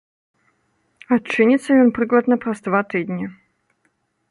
Адчыніцца ён прыкладна праз два тыдні.